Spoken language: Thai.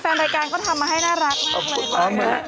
แฟนรายการก็ทำมาให้น่ารักมากเลย